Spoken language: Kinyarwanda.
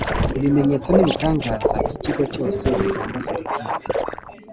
ibimenyetson’ibitangaza by’ikigo cyose gitanga servisi.